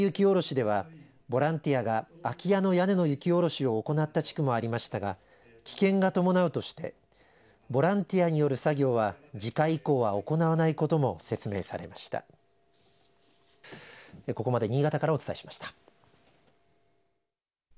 また、ことしの一斉雪下ろしではボランティアが空き家の屋根の雪下ろしを行った地区もありましたが危険が伴うとしてボランティアによる作業は次回以降は行わないことも説明されました。